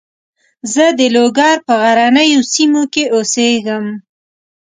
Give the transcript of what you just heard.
زه د لوګر په غرنیو سیمو کې اوسېږم.